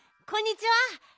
こんにちは。